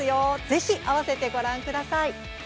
ぜひ、合わせてご覧ください。